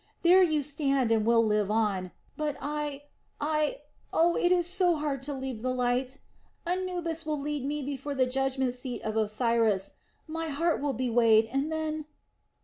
There you stand and will live on.... But I I... Oh, it is so hard to leave the light.... Anubis will lead me before the judgment seat of Osiris. My heart will be weighed, and then...."